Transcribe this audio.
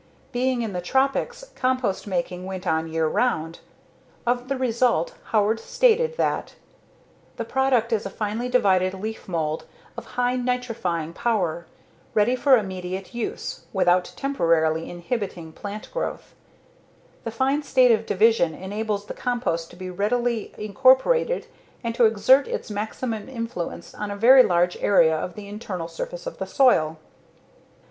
Being in the tropics, compost making went on year round. Of the result, Howard stated that "The product is a finely divided leafmould, of high nitrifying power, ready for immediate use [without temporarily inhibiting plant growth]. The fine state of division enables the compost to be rapidly incorporated and to exert its maximum influence on a very large area of the internal surface of the soil."